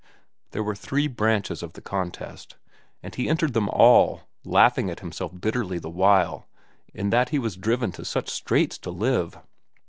There were three branches of the contest, and he entered them all, laughing at himself bitterly the while in that he was driven to such straits to live.